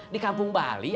di kampung bali